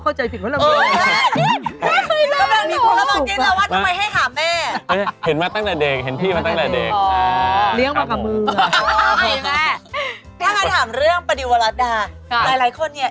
ก็จริงเป็นแบบนั้นหรือเปล่า